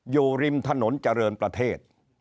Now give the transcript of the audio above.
อยู่ริมถนนเจริญประเทศ